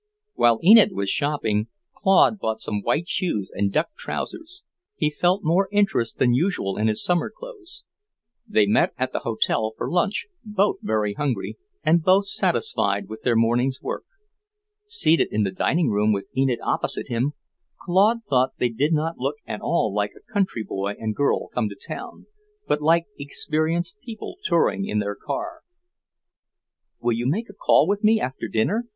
While Enid was shopping, Claude bought some white shoes and duck trousers. He felt more interest than usual in his summer clothes. They met at the hotel for lunch, both very hungry and both satisfied with their morning's work. Seated in the dining room, with Enid opposite him, Claude thought they did not look at all like a country boy and girl come to town, but like experienced people touring in their car. "Will you make a call with me after dinner?"